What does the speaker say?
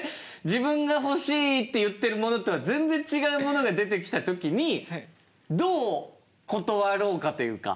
自分が欲しいって言ってるものとは全然違うものが出てきた時にどう断ろうかというか。